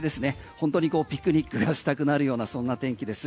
本当にピクニックがしたくなるようなそんな天気です。